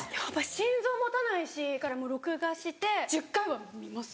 心臓持たないし録画して１０回は見ます。